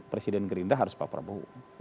presiden gerindra harus pak prabowo